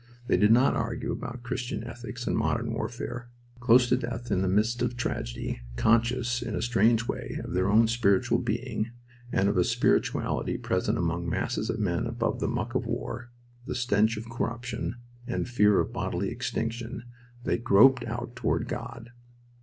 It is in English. They did not argue about Christian ethics and modern warfare. Close to death in the midst of tragedy, conscious in a strange way of their own spiritual being and of a spirituality present among masses of men above the muck of war, the stench of corruption, and fear of bodily extinction, they groped out toward God.